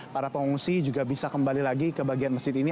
para pengungsi juga bisa kembali lagi ke bagian masjid ini